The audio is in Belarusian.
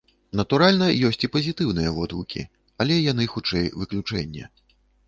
Натуральна, ёсць і пазітыўныя водгукі, але яны, хутчэй, выключэнне.